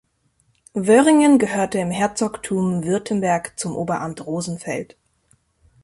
Vöhringen gehörte im Herzogtum Württemberg zum Oberamt Rosenfeld.